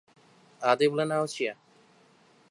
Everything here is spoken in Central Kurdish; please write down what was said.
ئادەی بڵێ ناوت چییە؟